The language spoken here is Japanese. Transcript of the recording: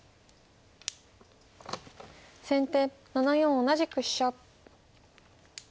先手７四同じく飛車。